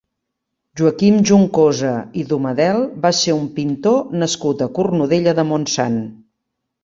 Joaquim Juncosa i Domadel va ser un pintor nascut a Cornudella de Montsant.